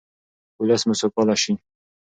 ولس مو سوکاله شي.